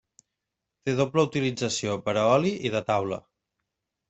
Té doble utilització per a oli i de taula.